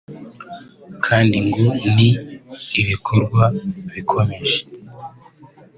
kandi ngo ni ibikorwa bigikomeje